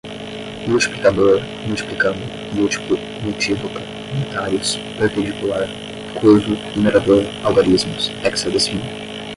multiplicador, multiplicando, múltiplo, multívoca, monetários, perpendicular, curva, numerador, algarismos, hexadecimal